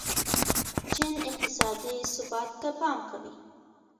چین اقتصادي ثبات ته پام کوي.